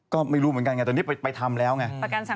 ก็ไม่รู้เหมือนกันไงตอนนี้ไปทำแล้วไง